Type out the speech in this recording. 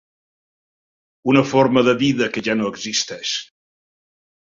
Una forma de vida que ja no existeix.